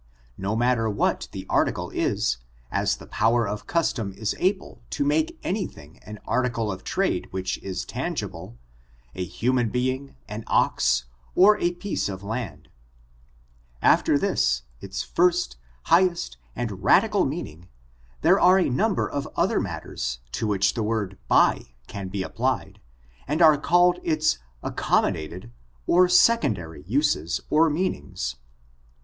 No matter what the article i^, as the power of cus tom is able to make any thing an article of trade which is tangible — a human being, an ox, or a piece of laud. Afler this, its first, highest and radical k^i^kM# ^^m^^^^f^i'^^*^^^^^*^^^^ ■■ 132 ORIGIN, CHARACTEll, AND meaning, there are a number of other matters to which the word buy can be applied, and are called its accommodated^ or secondary uses or meanings.